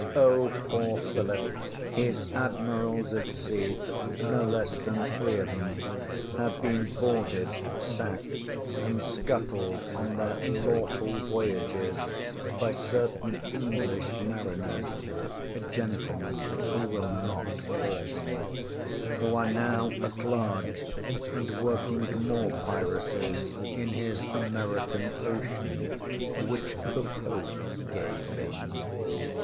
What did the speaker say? Oh, poor Philip! His admirals at sea no less than three of ŌĆśem have been boarded, sacked, and scuttled on their lawful voyages by certain English mariners (gentlemen, he will not call them), who are now at large and working more piracies in his American ocean, which the Pope gave him.